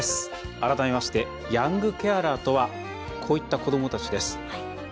改めましてヤングケアラーとはこういった子どもたちです。